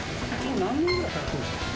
何年ぐらい通ってるんですか？